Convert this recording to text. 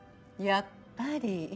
やっぱり。